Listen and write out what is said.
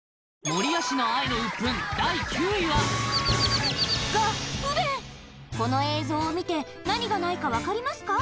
守谷市の愛のウップン第９位はこの映像を見て何がないか分かりますか？